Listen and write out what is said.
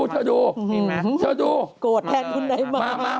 แหกแหกแข้งแหกขา